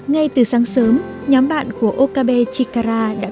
ngay từ sáng sớm nhóm bạn của okabe chikara